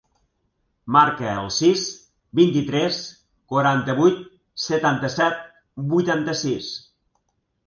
Marca el sis, vint-i-tres, quaranta-vuit, setanta-set, vuitanta-sis.